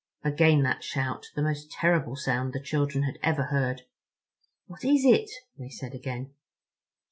Again that shout—the most terrible sound the children had ever heard. "What is it?" they said again.